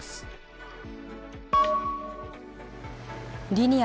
リニア